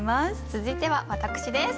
続いては私です。